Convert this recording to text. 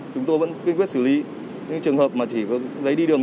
chúng tôi vẫn quynh quyết xử lý những trường hợp mà chỉ có giấy đi đường